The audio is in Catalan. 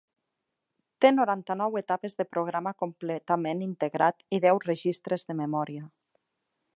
Té noranta-nou etapes de programa completament integrat i deu registres de memòria.